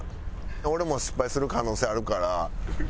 俺も失敗する可能性あるから。